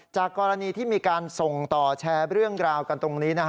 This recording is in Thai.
จากกรณีที่มีการส่งต่อแชร์เรื่องราวกันตรงนี้